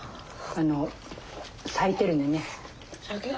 あの咲いてるんでね。